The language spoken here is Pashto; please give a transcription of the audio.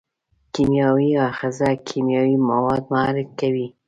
کیمیاوي آخذه کیمیاوي مواد محرک کوي.